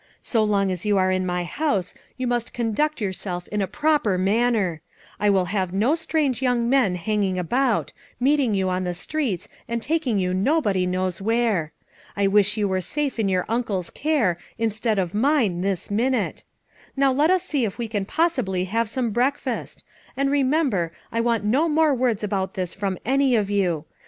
So long as you are in my house you must conduct yourself in a proper manner; I will have no strange young men hanging about, meeting you on the streets and taking you nobody knows where. I wish you were safe in your uncle's care, instead of mine, this minute! Now let us see if we can possibly have some breakfast; and remember, I want no more words about this from any of you.